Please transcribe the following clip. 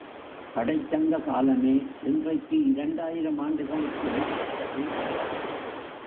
கடைச் சங்க காலமே, இன்றைக்கு இரண்டாயிரம் ஆண்டுகளுக்கு முற்பட்டது என்பர்.